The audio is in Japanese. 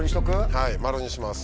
はい「○」にします。